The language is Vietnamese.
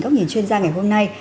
các nhìn chuyên gia ngày hôm nay